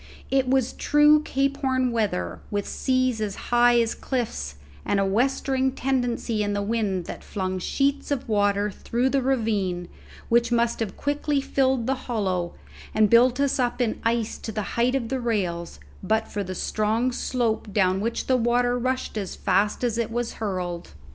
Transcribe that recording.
It was true Cape Horn weather, with seas as high as cliffs, and a westering tendency in the wind that flung sheets of water through the ravine, which must have quickly filled the hollow and built us up in ice to the height of the rails but for the strong slope down which the water rushed as fast as it was hurled.